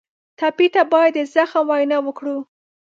ټپي ته باید د زغم وینا وکړو.